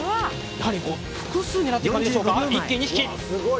複数狙っていく感じでしょうか。